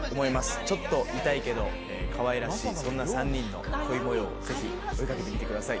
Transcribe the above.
ちょっと痛いけどかわいらしいそんな３人の恋模様をぜひ追い掛けてみてください